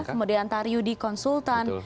kemudian taryudi konsultan